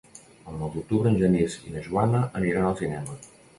El nou d'octubre en Genís i na Joana aniran al cinema.